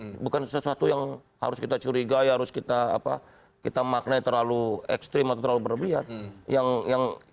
itu bukan sesuatu yang harus kita curigai harus kita maknai terlalu ekstrim atau terlalu berlebihan